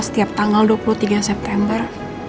setiap tanggal dua puluh tiga september